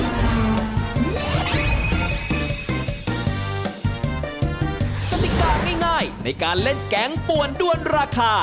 กติกาง่ายในการเล่นแกงป่วนด้วนราคา